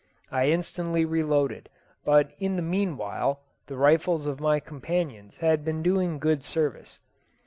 I instantly reloaded, but in the meanwhile the rifles of my companions had been doing good service.